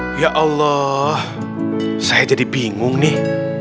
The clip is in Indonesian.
wah saya jadi bingung nih